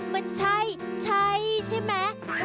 มันใช่ใช่ใช่ไหม